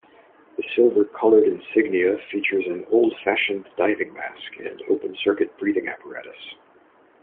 The silver-colored insignia features an old-fashioned diving mask and open-circuit breathing apparatus.